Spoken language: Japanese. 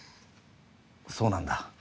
そうなんだ。